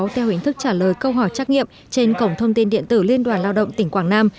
theo hình thức trả lời câu hỏi trắc nghiệm trên cổng thông tin điện tử liên đoàn lao động tỉnh quảng nam